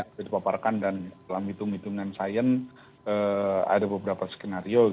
sudah dipaparkan dan dalam hitung hitungan sains ada beberapa skenario